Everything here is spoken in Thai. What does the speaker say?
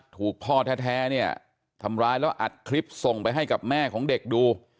ถูกพ่อแท้เนี่ยทำร้ายแล้วอัดคลิปส่งไปให้กับแม่ของเด็กดู